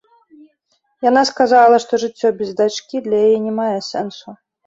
Яна сказала, што жыццё без дачкі для яе не мае сэнсу.